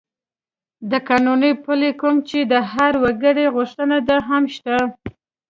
د قانون پلي کول چې د هر وګړي غوښتنه ده، هم شته.